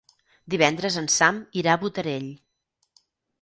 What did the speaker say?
Divendres en Sam irà a Botarell.